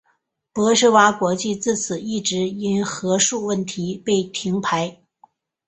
博士蛙国际自此一直因核数问题被停牌。